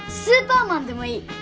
スーパーマンでもいい。